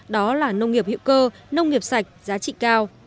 đó là nông nghiệp hữu cơ nông nghiệp sạch giá trị cao